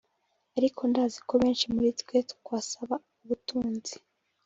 Ariko ndazi ko benshi muri twe twasaba ubutunzi